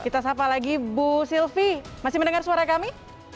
kita sapa lagi bu sylvi masih mendengar suara kami